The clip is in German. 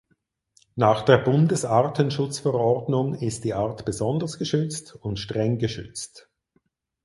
Nach der Bundesartenschutzverordnung ist die Art besonders geschützt und streng geschützt.